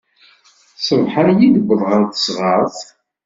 Ṣṣbeḥ-ayi i d-wwḍeɣ ɣer teɣsert.